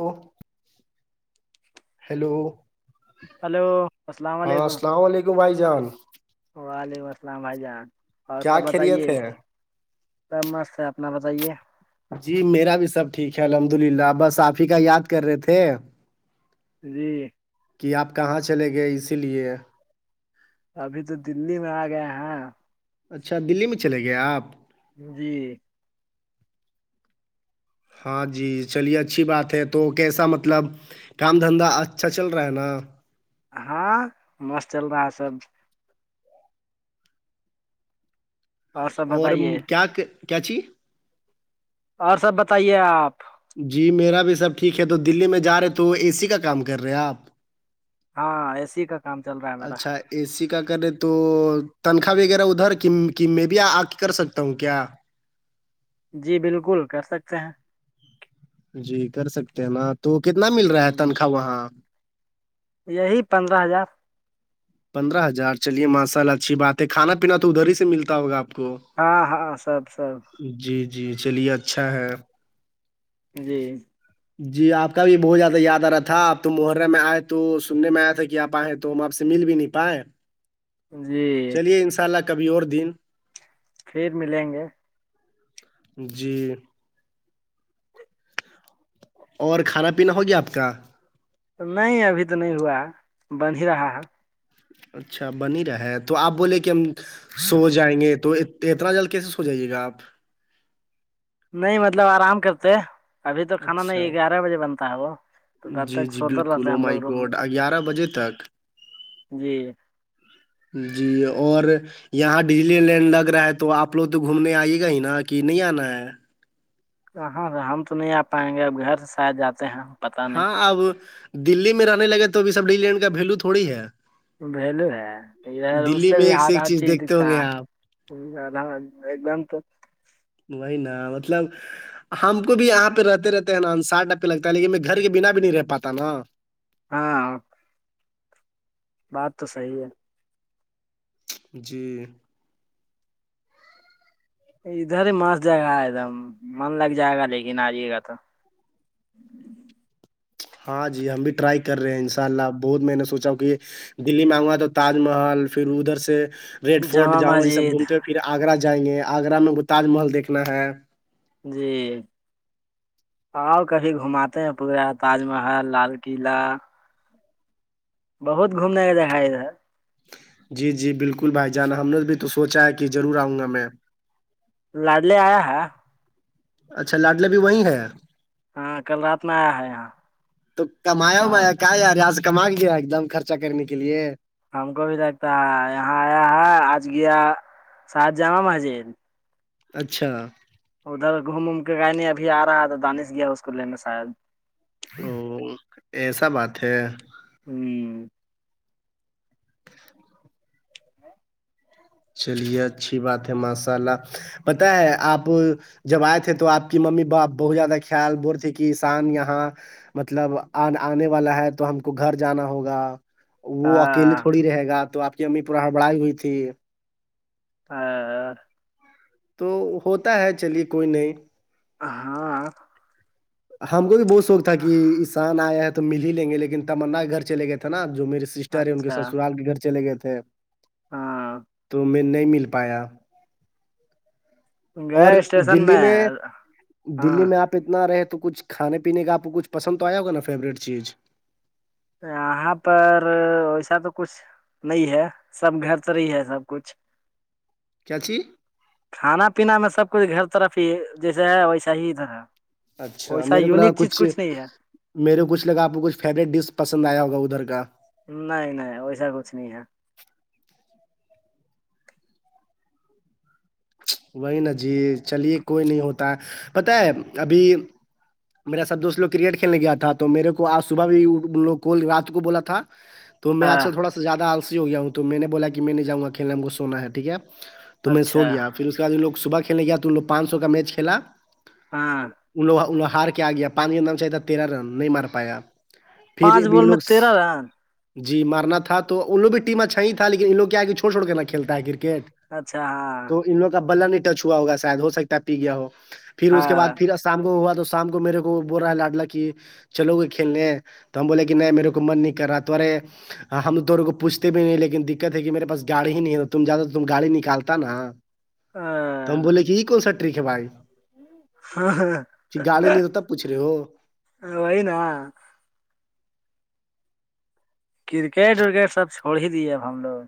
و hello [unintelligible] hello السلام ہاں علیکم السلام علیکم بھائی جان وعلیکم السلام بھائی جان اور کیا سب بتائیے خیریت ہے اب مست ہے اپنا بتائیے جی میرا بھی سب ٹھیک ہے الحمد للہ بس آاف ہی کا یاد کر رہے تھے جی [inaudible] کہ آپ کہاں چلیں گئے اسی لیے ابھی تو دللی میں آ گئے ہیں اچھا دلی میں چلے گئے آپ جی ہاں جی چلیے اچھی بات ہے تو کیسا مطلب کام دھندا اچھا چل رہا ہے نا ہاں مست چل رہا ہے سب سب اور بتائیے کیا کیا چی اور سب بتائیے آپ جی میرا بھی سب ٹھیک ہے تو دلی میں جا رہے تو اے سی کا کام کر رہے آپ ہاں اے سی کا کام چل رہا ہے میرا اچھا اے سی کا کرے تو تنخواہ وغیرہ ادھر کہ کہ میں بھی آ کے کر سکتا ہوں کیا جی بالکل کر سکتے ہیں جی کر سکتے ہیں نا تو کتنا مل رہا ہے ہ تنخواہ وہاں یہی پندرہ ہزار پندرہ ہزار چلیے ماشاء اللہ اچھی بات ہے کھانا پینا تو ادھر ہی سے ملتا ہوگا آپ کو ہاں ہاں سب سب جی جی چلیے اچھا ہے جی جی آپ کا بھی بہت زیادہ یاد آ رہا تھا آپ تو محرہ میں آئے تو سننے میں آیا تھا کہ آپ آئےیں تو ہم آپ سے مل بھی نہیں پائے جی چلیے ان شاء اللہ کبھی اور دن پھر ملیں گے جی اور کھانا پینا ہو گیا آپ کا نہیں ابھی تو نہیں ہوا بن ہی رہا ہے اچھا بنی رہا ہے تو آپ بولے کہ ہم سو جائیں گے تو اتنا جلد کیسے سو جائیے گا آپ نہیں مطلب آرام کرتے ابھی تو کھانا اچھا نہیں گیارہ بجے بنتا ہے وہ تو تب جی تک جی سوتا بالکل رہتا ہے ا ہم مائی لوگ روم میں گوڈ گگیارہ بجے تک جی جی اور یہاں ڈجلی لینڈ لگ رہا ہے تو آپ لوگ تو گھومنے آئیے گا ہی نا کہ نہیں آنا ہے کہاں سے ہم تو نہیں آ پائیں گے اب گھر سے س آد جاتے ہیں ہم ہاں اب دللی میں رہنے لگے تو ابھی سب ڈی لینڈ کا ویلو تھوڑی ہے ویلو ہےھر اس دلی سے میں بھی ایک ہاتھ ایک ہر چیز دیکھتے دکھتا ہوں گے ہے آپ ہ الر ایک دم تو وہی نا مطلب ہم کو بھی یہاں پہ رہتے رہتے ہیں نا ان ساھ روپے لگتا ہے لیکن میں گھر کے بنا بھی نہیں رہ پاتا نا ہاں بات تو صحیح ہے جی ادھر ہی مست جگہ ہے ایک دم من لگ جائے گا لیکن آئیے گا تو ہاں جی ہم بھی ٹرائی کر رہے ہیں ان شاء اللہ اب بہت میں نے سوچا ہ کہ دلی میں آؤں گا تو تاج محل پھر ادھر سے ریڈ فورٹ جامع جہاں مج یہ سب مسجد گھومتے ہوئے پھر آگرہ جائیں گے آگرہ میں وہ تاج محل دیکھنا ہے جی آؤ کبھی گھماتے ہیں پورا تاج محل لال قلعہ بہت گھومنے کا جگہ ہے ادھر جی جی بالکل بھائی جانا ہم نے بھی تو سوچا ہے کہ ضرور آؤں گا میں لڑ لے آیا ہا اچھا لاڈل بھی وہی ہے ہاں کل رات میں آیا ہے یہاں تو کمایا ہاں ومایا کیا ی ریاز کم لیا ایک دم خرچا کرنے کے لیے ہم کو بھی لگتا ہے یہاں آیا ہے آج گیا ساہ جامع مسجد اچھا ادھر گھوم اوم کے گئے ابھی آ رہا ہے تو دانش گیا اس کو لینے شاید او ایسا بات ہے ہوں چلیے اچھی بات ہے ماشاء اللہ پت ہے آپ جب آئے تھے تو آپ کی ممی باپ بہت زیادہ خیال بول تھے کہسان یہاں مطلب آنے والا ہے تو ہم کو گھر جانا ہوگا ہ وہ اکیلے تھوڑی رہے گا تو آپ کی امی پورا ہڑبڑائی ہوئی تھی ہاں [unintelligible] تو ہوتا ہے چلیے کوئی نہیں ہاں ہم کو بھی بہت شوق تھا کہ ہاں انسان آیا ہے تو مل ہی لیں گے لیکن تمنا گھر چلے گئے تھے نا جو میرے سسٹر ہے ان کے اچھا سسرال کے گھر چلے گئے تھے ہاں تو میں نہیں مل پایا اور گئے اسٹیشن دلی میں ہاں دلی میں آپ آپ اتنا رہے تو کچھ کھانے پینے کا آپ کو کچھ پسند تو آیا ہوگا نا فیوریٹ چیز یہاں پر ویسا تو کچھ نہیں ہے سب گھر سے رہح ہی ہے سب کچھ کیاچ کانا پیینا میں سب کچھ گھر طرف ہی جیسے ہے ویسا ہی ادھر ہے اچھا ویسا میرے کو یونک چیز کچھ نہیں ہے میرے کو کچھ لگا آپ کو کچھ فیوریٹ ڈس پسند آیا ہوگا ادھر کا نہیں نہیں ویسا کچھ نہیں ہے وہی نا جی چلیے کوئی نہیں ہوتا پت ہے ابھی میرا سب دوست لوگ کرکٹ کھیلنے گیا تھا تو میرے کو آج صبح بھی لوگ کو رات کو بولا تھا [inaudible] تو میں آج کل تھوڑا زیادہ آنسسی ہویا ہوں تو میں نے بولا کہ میں جاں گا کھیلنے ہم کو سونا ہے ٹھیک ہے تو میں سو اچھا گ پھر اس کے بعد ان لوگ صبح کھیلنے گ تو ان لوگ پانچ سو کا میچ کھیلا ہاں ان انو ہار کے آ گیا پانچ کے نام سےاہ تھا تیرا رن نہیں مار پایا پھر پانچ ابھی بال میں لوگ تیرہ رن جی مارنا تھا تو ان لو بھی ٹیم اچھا ہی تھا لیکن ان لوگ کیا کہ چھوڑ چھڑ کرنا کھیلتا ہے کرکٹ اچھا ہاں تو ان لگ کا بلا نہیں ٹچ ہوا ہوگا شاید ہو سکتا ہے پی گیا ہو پھر اس کے بد پھر شام کو ہوا تو شام کو میرے کو بول رہا ہے لاڈلا کہ چلو گے کھیلنے تو ہم بولے کہ نہیں میرے کو من نہیں کر رہا آتارے ہاں ہم توونوں کو پوچھتے بھی نہیں لیکن دقت ہے کہ میرے پس گاڑی ہی نہیں ہے تم جیادہ تو ت گاڑی نکالتا نا ہ تو ہم بولے کہ یہ کون سا ٹرک ہے بھائی ہاں، کہ گاڑی نہیں تو تب پوچھ رہے ہو وہئین کرکٹ ورکٹ سب چھوڑ ہی دیے اب ہم لوگ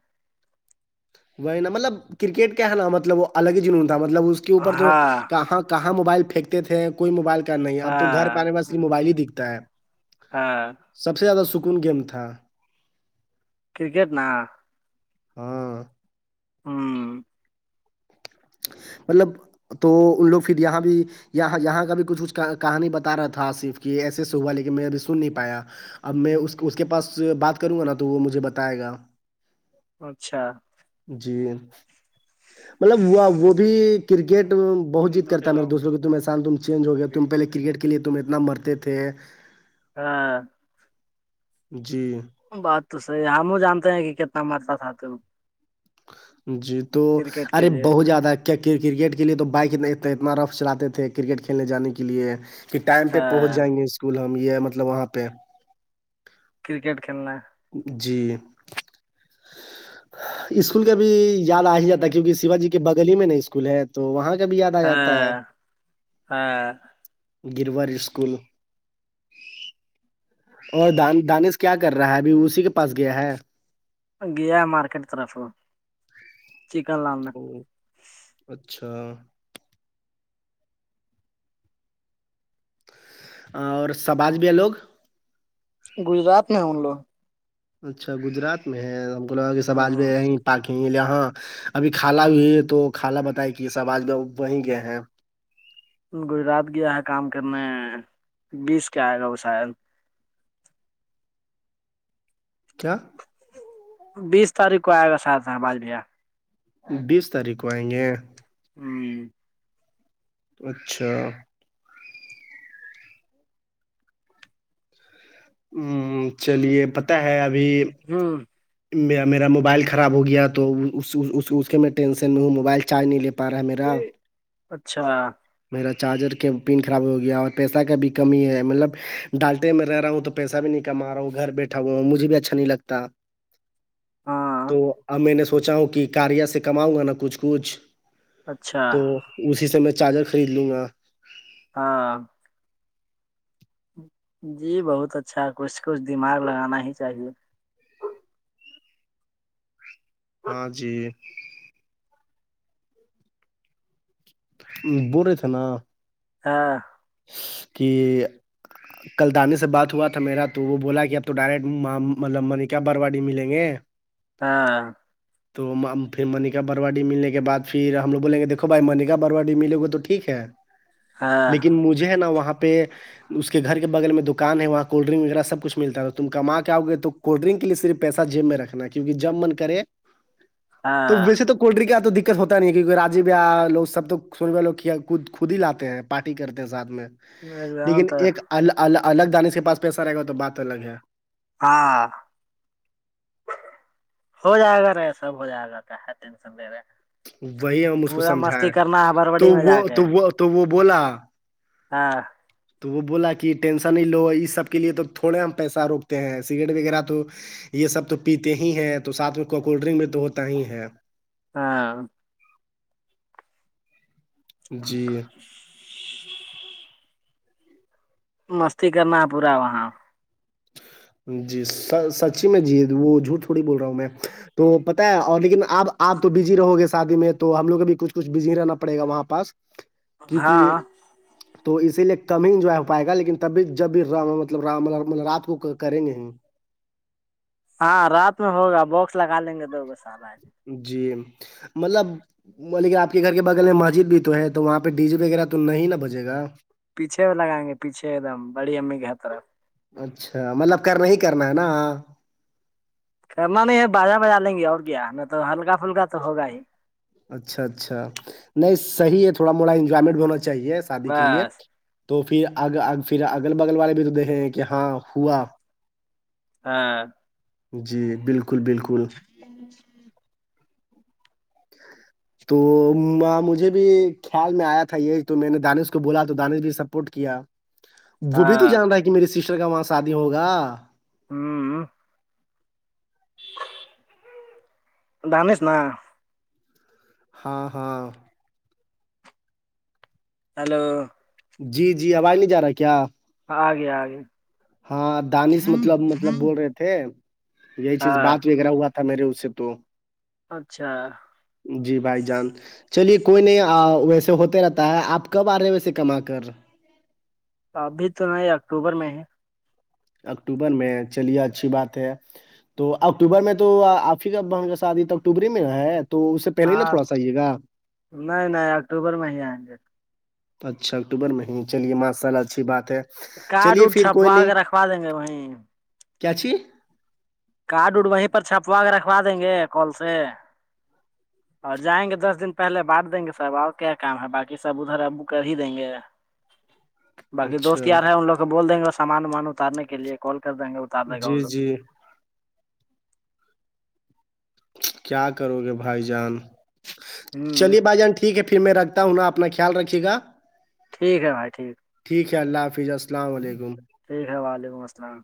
وہ نا مطلب کرکٹ کیا ہے نا مطلب وہ الگ ہی جنون تھا مطلب اس کے اوپر تو ہاں کہاں کہاں موبائل پھینتےے کوئی موبائل کا نہیں ا تو گھر پہ ہاں آنے وال صر موبائل ہی دکھتا ہے ہاں سب سے زیادہ سکون گیم تھا کرکٹ نا ہاں ہاں مطلب تو ان لوگ پھر یہاں بھی یہ یہاں کا بھی کچھ کچھ کہانی بتا رہا تھا آصف کی ایسے سے ہوا لیکن میں ابھی سن نہیں پایا اب میں اس اس کے پاس بات کروں گا نا تو وہ مجھے بتائے گا اچھا جی مطلب وہ وہ بھی کرکٹ بہت جیت کرتا ہےیرے دوستوں کی تم احساان تم چینج ہو گیا تم پہلے کرکٹ کے لیے تم اتنا مر تھے ہاں جی بات تو صحی ہے ہم جانتے ہیں کہ کتنا مرئلہ تھا تو جی تو کرکٹ کے ارے لیے بہت زیادہ کیا کر کرکٹ کے لیے تو بائک اتنے اتنا اتنا رف چلاتے تھے کرکٹ کھیلنے جانے کے لیے کہ ٹائم پہ پہنچ ہاں جائیں گے اسکول ہم یہ مطلب وہاں پہ کرکٹ کھیلنا ہے ہ جی اسکول کا بھی یاد آ ہی جاتا ہے کیونکہ شیواجی کے بگل ہی میں نہیں اسکول ہے تو وہاں کبھی یاد آ جاتا ہے ہاں ہاں گیروار اسکول اور دان دانش کیا کر رہا ہے ابھی اسی کے پاس گیا ہے گیا مارکیٹ طرف چکن لان او اچھا اور سماج بھی ہے لوگ گجرات میں ان لوگ اچھا گجرات میں ہے ہم کو لگا کہ سب آج میں ہاں یہیں پارٹی یہاں ابھی کالا ہو ہے تو کالا بتائے کہ سب آج بھی وہیں گئے ہیں گجرات گیا ہے کام کرنے بیس کے آئے گا وہ شاید کیا بیس تاریخ کو آئے گا ساد آج بیا بیس تاریخ کو آئیں گے ہوں اچھا ہ چلیے پتہ ہے ابھی ہوں میرا میرا موبائل خراب ہو گیا تو اس کے میں ٹینشن میں ہوں موبائل چارج نہیں لے پ پارمیرا اچھا میرا چارجر کے پن خراب ہو گیا اور پیسہ کا بھی کمی ہے مطلب ڈالتے میں رہ رہا ہوں تو پیسہ بھی نہیںما ہوں گھر بیٹھا ہ مجھے بھی اچھا نہیں لگتا ہاں تو اب میں نے سوچا ہوں کہ کاریا سے کماؤں گا نا کچھ کچھ اچھا تو اسی سے میں چارجر خرید لوں گا ہاں جی بہت اچھا کچھ کچھ دماغ لگانا ہی چاہیے ہاں جی ب رہے تھا نا ہاں کہ کل دانی سے بات ہوا تھا میرا تو وہ بولا کہ اب تو ڈائریکٹ مطلب منیکا برواڑی ملیں گے ہاں تو پھر منکا بروای ملنے کے بعد پھر ہم لوگ بولیں گے دھو بھائی منیکا برای ملے گے تو ٹھیک ہے ہاں ن مجھے نا وہاں پہ اس کے گھر کے بغل میں دکان ہے وہاں کولڈ ڈرنک وغیرہ سب کچھ ملتا تھا تم ک ماں کیاؤ گے تو کولڈ ڈرن کے لیے صرف پیسہ جیب میں رکھنا کیکہ جب من کرے [inaudible] تو ویسے تو کولڈ ڈرنک کا تو دقت ہوتا نہیں ہے کیکہ رای لو سب تو سنےو خود ہی لاتے ہیں پارٹی کرتے ہیں ساتھ میں ایک دم لیکن تو ایک ال الگ دانش کے پاس پیسہ رہے گا تو بات الگ ہے ہاں ہو جائے گا رہ سب ہو جائے گا کہ ہے ٹینشن لے رہے وہی ہم اس کو پورا مستی سمجھائائےیں کرنا ہے تو بربڑی میں وہ جا کے تو وہ تو وہ بولا ہاں تو وہ بولا کہ ٹینشن ہی لو اس سب کے لیے تو تھوڑے ہم پیسہ روکتے ہیں سگریٹ وغیرہ تو یہ سب تو پیتے ہی ہیں تو ساتھ میں کولڈ ڈرنک بھی تو ہوتا ہی ہے ہاں جی [inaudible] مستی کرنا ہے پورا وہاں جی س سچی میں جی وہ جھوٹ تھوڑی بول رہا ہوں میں تو پتاہ ہے اور لیکن اب آپ تو بزی رہو گے شادی میں تو ہم لوگ کو بھی کچھ کچھ بزی رہنا پڑے گا وہاں پاس ہاں کیونکہ تو اسی لیے کم ہی انجوائے ہو پائے گا لیکن تبھی جب بھی مطلب رات کو کریں نہیں ہاں رات میں ہوگا باککس لگا لیں گے دو گ سارے جی مطلب ملیک آپ کے گھر کے بغل میں مسجد بھی تو ہے تو وہاں پہ ڈی جی وغیرہ تو نہیں ن بجے گا پیچھے لگائیں گے پیچھے ایک دم بڑی امی کی ہ طرف اچھا مطلب کرنا ہی کرنا ہے نا کرم نہیں ہے بازا بجا لیں گے اور کیا نہ تو ہلکا پھلکا تو ہوگا ہی اچھا اچھا نہیں صحی ہے تھوڑا موڑا انجوائمنٹ بھی ہونا چاہیے شادی کے لیے بس تو پھر اگ پھر اگل بگل والے بھی تو دیکھے ہیں کہ ہاں ہوا ہاں جی بالکل بالکل [inaudible] [inaudible] تو مجھے بھی خیال میں آیا تھا یہ تو میں نے دانش کو بولا تو دانش بھی سپورٹ کیا [inaudible] وہ بھی تو جان رہا ہے کہ میرے سسٹر کا وہاں شادی ہوگا ہوں ڈانس نا ہاں ہاں ہیلو جی جی آواز نہیں جا رہا ہے کیا آگے آگے ہاں دانش مطلب مطلب بول رہے تھے یہی چیز ہاں بات وغیرہ ہوا ہم میںیرےو سےے تو اچھا جی بھائی جان چلیے کوئی نہیں ویسے ہوتے رہتا ہے آپ کب آ رہے ہیں ویے کما کر ابھی تو نہیں اکتوبر میں ہے اکتوبر میں چلیے اچھی بات ہے تو اکتوبر میں تو آفی کا بہن کا شادی تو اکتوبری ہی میں ہے تو اس سے پہلے ہی نا ہاں تھوڑا سا آئیے گا نہیں نہیں اکتوبر میں ہی آئیں گے اچھا اکتوبر مہینے چلیے ماشاء اللہ اچھی بات ہے کارڈ چلیے اڈ پھر کوئی چھپوا نہیں کے رکھوا دیں گے وہیں کیا چھی کڈ اڈ وہیں پر چھپوا کے رکھوا دیں گے کال سے اور جائیں گے دس دن پہلے باند دیں گے سب اور کیا کام ہے باقی سب ادھر ابو کر ہی دیں گے باقی دوست اچھا یار ہے ان لوگ کو بول دیں گے سامان وامان اتارنے کے لیے کال کر دیں گے اتار دے گا جی ان لوگ جی کیا کرو گے بھائی جان ہوں چلیے بھائی جان ٹھیک ٹھیک ہے پھر میں رکھتا ہوں نا اپنا خیال رکے گا ٹھیک ہے بھائی ٹھیک ٹھیک ہے اللہ حافظ السلام علیکم ٹھیک ہے وعلیکم السلام